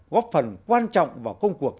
góp phần quan trọng vào công cuộc